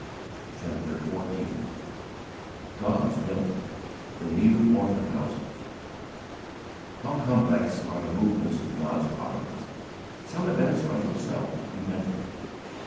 CHAPTER XIV GOD'S BUILDING: THE NEW ORPHAN HOUSES How complex are the movements of God's providence! Some events are themselves eventful.